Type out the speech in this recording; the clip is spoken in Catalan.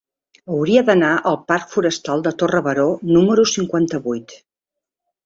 Hauria d'anar al parc Forestal de Torre Baró número cinquanta-vuit.